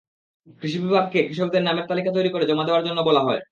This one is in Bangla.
কৃষি বিভাগকে কৃষকদের নামের তালিকা তৈরি করে জমা দেওয়ার জন্য বলা হয়।